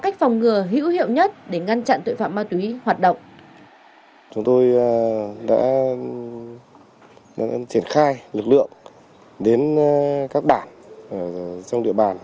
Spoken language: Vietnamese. chúng tôi đã triển khai lực lượng đến các bản trong địa bàn